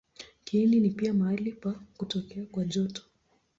Kiini ni pia mahali pa kutokea kwa joto.